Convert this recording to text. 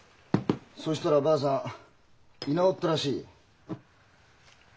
そしたらばあさん居直ったらしい。